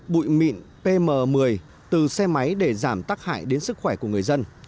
bụi mịn pm một mươi từ xe máy để giảm tắc hại đến sức khỏe của người dân